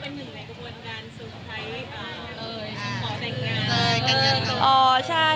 เราเป็นหนึ่งในกระบวนการส่งของไทย